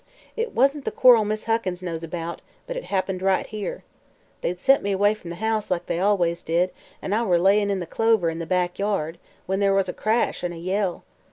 It wasn't the quarrel Miss Huckins knows about, but it happened right here. They'd sent me away from the house, like they always did, and I were layin' in the clover in the back yard, when there was a crash an' a yell.